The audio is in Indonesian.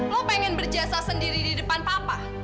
lo pengen berjasa sendiri di depan papa